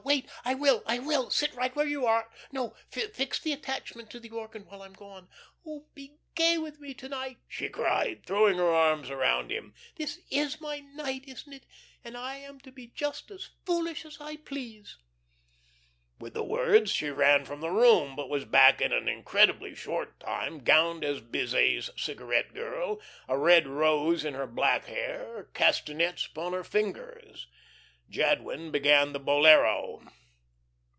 Wait! I will, I will! Sit right where you are no, fix the attachment to the organ while I'm gone. Oh, be gay with me to night," she cried, throwing her arms around him. "This is my night, isn't it? And I am to be just as foolish as I please." With the words she ran from the room, but was back in an incredibly short time, gowned as Bizet's cigarette girl, a red rose in her black hair, castanets upon her fingers. Jadwin began the bolero.